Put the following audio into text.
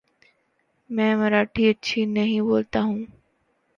میں مراٹھی اچھی نہیں بولتا ہوں ـ